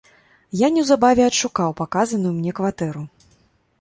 Я неўзабаве адшукаў паказаную мне кватэру.